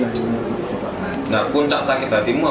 nah puncak sakit hatimu apa